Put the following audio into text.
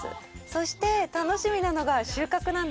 そして楽しみなのが収穫なんですが。